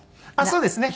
そうですね。